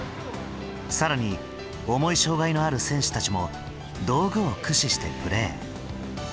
更に重い障害のある選手たちも道具を駆使してプレー。